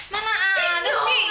mana ada sih